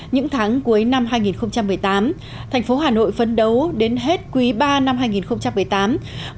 những tháng cuối năm hai nghìn một mươi tám thành phố hà nội phấn đấu đến hết quý ba năm hai nghìn một mươi tám